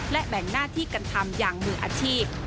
และแบ่งหน้าที่กันทำอย่างมืออาชีพ